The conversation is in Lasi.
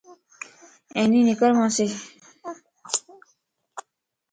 اينيَ نڪر مانسين